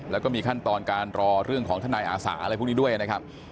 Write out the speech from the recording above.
แล้วก็มีขั้นตอนการรอเรื่องของทนายอาสาอะไรพวกนี้ด้วยนะครับ